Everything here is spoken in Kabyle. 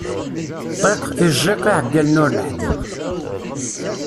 Ṭṭiq, ijjiq, iεeggalen ur neḥdiq.